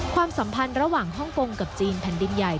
ความสัมพันธ์ระหว่างฮ่องกงกับจีนแผ่นดินใหญ่